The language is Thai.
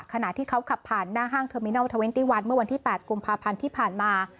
ขณะที่เขาขับผ่านหน้าห้างเทอร์มินัลเทอร์เนตี้วันเมื่อวันที่๘กุมภาพันธ์ที่ผ่านมา